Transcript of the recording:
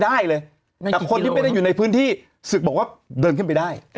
ได้เลยแต่คนที่ไม่ได้อยู่ในพื้นที่ศึกบอกว่าเดินขึ้นไปได้